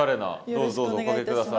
どうぞどうぞおかけ下さい。